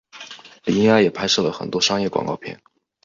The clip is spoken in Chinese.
李英爱也拍摄了很多商业广告片。